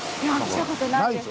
来た事ないです。